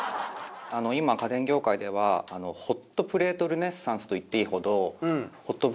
今家電業界ではホットプレートルネサンスと言っていいほど。